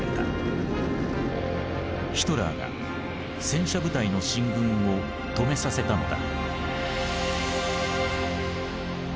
ヒトラーが戦車部隊の進軍を止めさせたのだ。